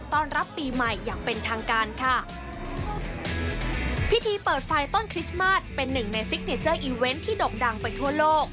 ตอนรับปีใหม่อย่างเป็นทางการค่ะพิธีเปิดไฟต้นคริสต์มาสเป็นหนึ่งในซิกเนเจอร์อีเวนต์ที่ด่งดังไปทั่วโลก